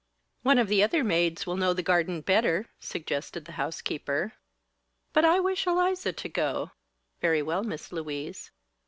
"One of the other maids will know the garden better," suggested the housekeeper. "But I wish Eliza to go." "Very well, Miss Louise."